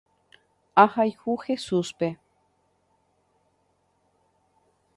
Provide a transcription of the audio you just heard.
Ahayhu Jesúspe.